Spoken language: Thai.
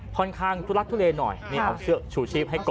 คอนข้างรักทุเรนหน่อยเอาเสื้อชุดชีพให้ก่อน